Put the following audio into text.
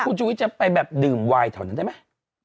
คุณชุวิทจะไปแบบดื่มไวน์เท่านั้นได้ไหม